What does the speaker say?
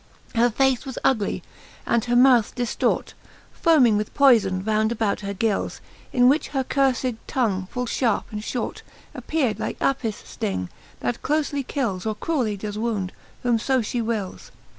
Her face was ugly, and her mouth diftort, Foming with poyfbn round about her gils, In which her curfed tongue full fharpe and Ihort Appear'd like Afpis fting, that clolely kils, Or cruelly does wound, whom (b fhe wils.